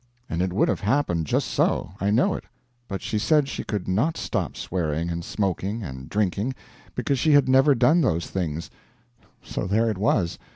And it would have happened just so, I know it; but she said she could not stop swearing, and smoking, and drinking, because she had never done those things. So there it was.